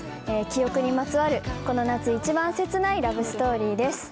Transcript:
記憶にまつわるこの夏一番切ないラブストーリーです